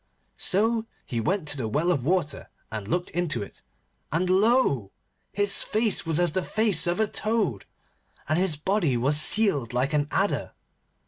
So he went to the well of water and looked into it, and lo! his face was as the face of a toad, and his body was sealed like an adder.